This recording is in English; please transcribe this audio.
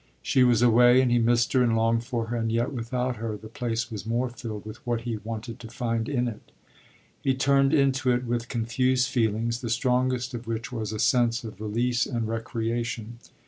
She was away and he missed her and longed for her, and yet without her the place was more filled with what he wanted to find in it. He turned into it with confused feelings, the strongest of which was a sense of release and recreation.